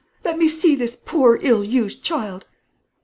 Let me see this poor ill used child."